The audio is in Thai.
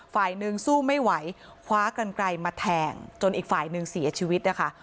ฝ่ายหนึ่งสู้ไม่ไหวคว้ากันไกลมาแทงจนอีกฝ่ายหนึ่งเสียชีวิตนะคะ